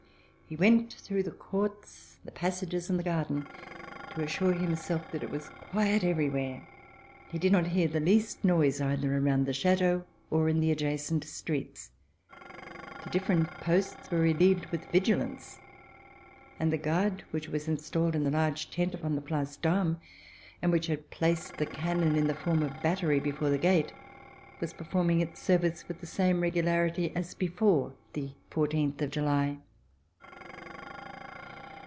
He went through the courts, the passages and the garden to assure himself that it was quiet every where. He did not hear the least noise, either around the Chateau or in the adjacent streets. The different posts were relieved with vigilance, and the guard which was installed in the large tent upon the Place d'Armes, and which had placed the cannon in form of battery before the gate, was performing its service with the same regularity as before the 14 July.